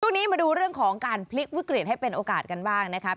ช่วงนี้มาดูเรื่องของการพลิกวิกฤตให้เป็นโอกาสกันบ้างนะครับ